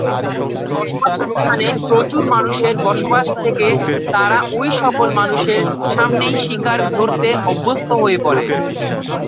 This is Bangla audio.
যদি তাদের বসবাসের স্থানে প্রচুর মানুষের বসবাস থেকে তারা ওই সকল মানুষদের সামনেই শিকার ধরতে অভ্যস্ত হয়ে পরে।